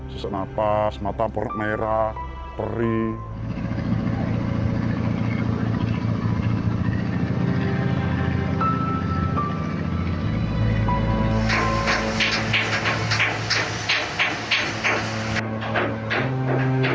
sesek nafas mata merah perih